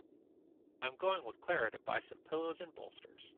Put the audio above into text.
I'm going with Clara to buy some pillows and bolsters.